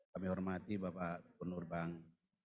kami hormati bapak tukun urbang